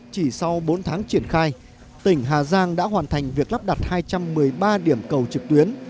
chỉ sau bốn tháng triển khai tỉnh hà giang đã hoàn thành việc lắp đặt hai trăm một mươi ba điểm cầu trực tuyến